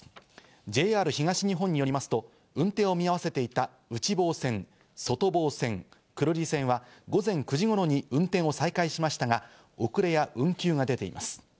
ＪＲ東日本によりますと、運転を見合わせていた、内房線、外房線、久留里線は、午前９時頃に運転を再開しましたが、遅れや運休が出ています。